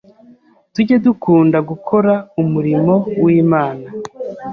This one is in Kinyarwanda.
tujye dukunda gukora umurimo w’Imana